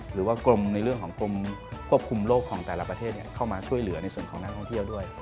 หรือว่ากรมในเรื่องของกรมควบคุมโรคของแต่ละประเทศเข้ามาช่วยเหลือในส่วนของนักท่องเที่ยวด้วย